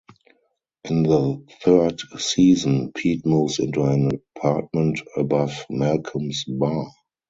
In the third season, Pete moves into an apartment above Malcolm's bar.